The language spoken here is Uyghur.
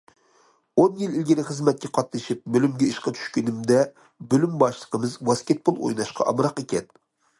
ئون يىل ئىلگىرى خىزمەتكە قاتنىشىپ بۆلۈمگە ئىشقا چۈشكىنىمدە، بۆلۈم باشلىقىمىز ۋاسكېتبول ئويناشقا ئامراق ئىكەن.